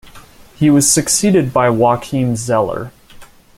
He was succeeded by Joachim Zeller.